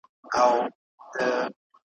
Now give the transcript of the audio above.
بریالیو ته پرېماني خزانې وې ,